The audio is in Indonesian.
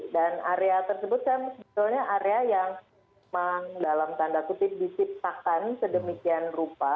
dan area tersebut kan sebetulnya area yang memang dalam tanda kutip disipakan sedemikian rupa